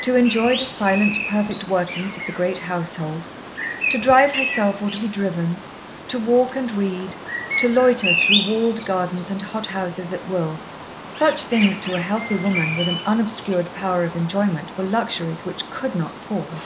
To enjoy the silent, perfect workings of the great household, to drive herself or be driven, to walk and read, to loiter through walled gardens and hothouses at will, such things to a healthy woman with an unobscured power of enjoyment were luxuries which could not pall.